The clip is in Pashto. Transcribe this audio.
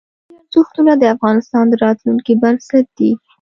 پښتني ارزښتونه د افغانستان د راتلونکي بنسټ دي.